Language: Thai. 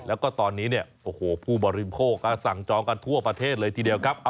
แล้วก็ตอนนี้เนี่ยโอ้โหผู้บริโภคก็สั่งจองกันทั่วประเทศเลยทีเดียวครับ